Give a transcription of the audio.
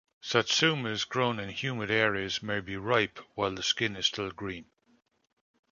Satsumas grown in humid areas may be ripe while the skin is still green.